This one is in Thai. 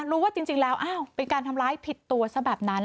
รู้ว่าจริงแล้วอ้าวเป็นการทำร้ายผิดตัวซะแบบนั้น